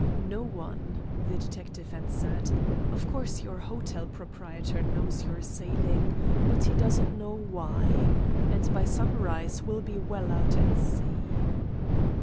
"No one," the detective answered. "Of course your hotel proprietor knows you're sailing, but he doesn't know why. And, by sunrise, we'll be well out at sea."